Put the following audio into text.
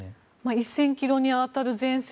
１０００ｋｍにわたる前線